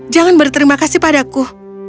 jangan berterima kasih padaku